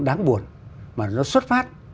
đáng buồn mà nó xuất phát